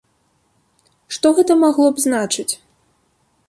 Што гэта магло б значыць?